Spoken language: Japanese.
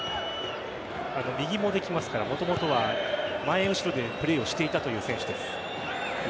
右もできますからもともとは前後ろでプレーをしていたという選手です。